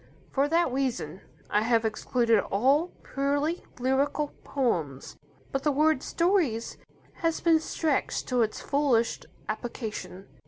For that reason I have excluded all purely lyrical poems. But the word "stories" has been stretched to its fullest application.